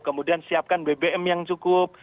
kemudian siapkan bbm yang cukup